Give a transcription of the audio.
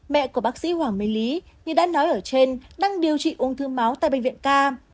mẹ của bác sĩ hoàng mê lý như đã nói ở trên đang điều trị ung thư máu tại bệnh viện ca